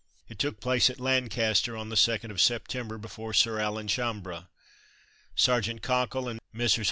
It took place at Lancaster, on the 2nd of September, before Sir Alan Chambre. Sergeant Cockle, and Messrs.